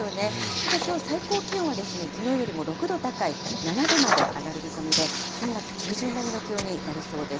ただ、きょう、最高気温はきのうよりも６度高い７度まで上がる見込みで、３月中旬並みの気温になりそうです。